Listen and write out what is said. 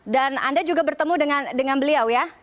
dan anda juga bertemu dengan beliau ya